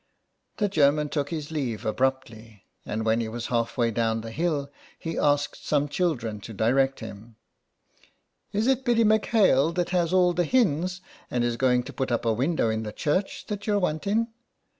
The German took his leave abruptly, and when he was half way down the hill he asked some children to direct him. lOI SOME PARISHIONERS. " Is it Biddy M'Hale, that has all the hins, and is going to put up a window in the church, that you're wanting